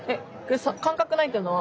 感覚ないっていうのは？